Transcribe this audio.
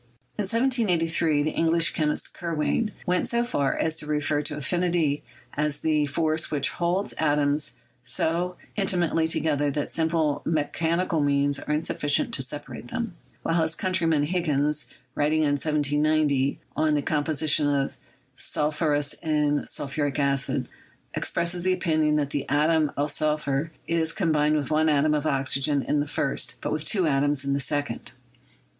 In 1783, the English chemist Kirwan went so far as to refer to affinity as that force which holds atoms so inti mately together that simple mechanical means are insuffi cient to separate them; while his countryman, Higgins, writing in 1790 on the composition of sulphurous and sul phuric acids, expressed the opinion that the atom of sul phur is combined with one atom of oxygen in the first, but with two atoms in the second.